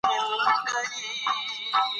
پېیر کوري ولې د لابراتوار کار ځای سم کړ؟